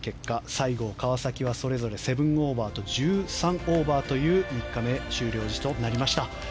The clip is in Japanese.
西郷、川崎はそれぞれ７オーバーと１３オーバーという３日目終了時となりました。